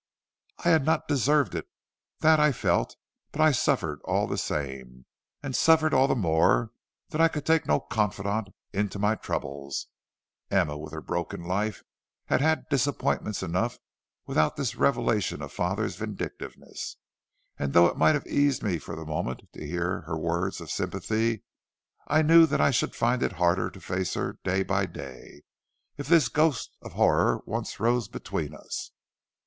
"I had not deserved it that I felt; but I suffered all the same, and suffered all the more that I could take no confidant into my troubles. Emma, with her broken life, had had disappointments enough without this revelation of a father's vindictiveness, and though it might have eased me for the moment to hear her words of sympathy, I knew that I should find it harder to face her day by day, if this ghost of horror once rose between us.